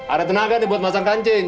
ada tenaga nih buat masang kancing